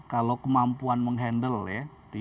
kalau kemampuan menghandle